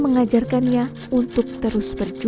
mengajarkannya untuk terus berjalan